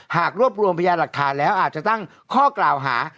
หากรวบรวมพยานหลักฐานแล้วอาจจะตั้งข้อกล่าวหา